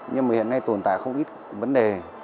nhưng mà hiện nay tồn tại không ít vấn đề